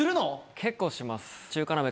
結構します。